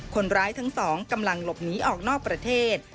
ทั้งสองกำลังหลบหนีออกนอกประเทศ